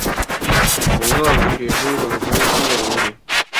恐吓软体是一种商业性质的软体。